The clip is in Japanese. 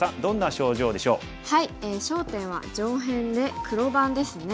焦点は上辺で黒番ですね。